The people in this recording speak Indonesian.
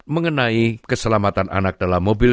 mengenai keselamatan anak dalam mobil